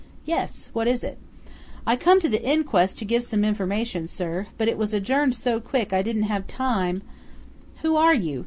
"Yes. What is it?" "I come to the inquest to give some information, sir, but it was adjourned so quick I didn't have time " "Who are you?"